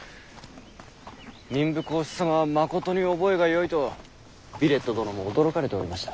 民部公子様はまことに覚えがよいとヴィレット殿も驚かれておりました。